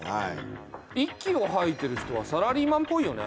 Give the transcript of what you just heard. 息をはいてる人はサラリーマンっぽいよね。